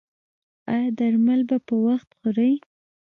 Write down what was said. ایا درمل به په وخت خورئ؟